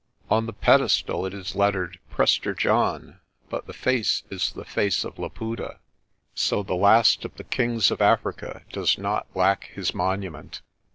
On the pedestal it is lettered "Prester John," but the face is the face of Laputa. So the last of the kings of Africa does not lack his monument.